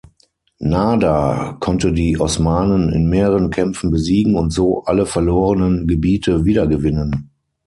Nader konnte die Osmanen in mehreren Kämpfen besiegen und so alle verlorenen Gebiete wiedergewinnen.